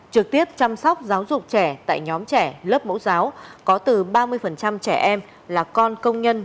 trực tiếp chăm sóc giáo dục trẻ tại nhóm trẻ lớp mẫu giáo có từ ba mươi trẻ em là con công nhân